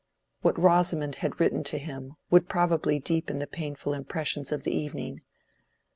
What Rosamond had written to him would probably deepen the painful impressions of the evening.